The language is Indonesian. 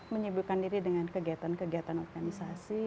menyebutkan diri dengan kegiatan kegiatan organisasi